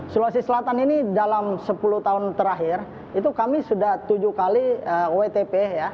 sulawesi selatan ini dalam sepuluh tahun terakhir itu kami sudah tujuh kali wtp ya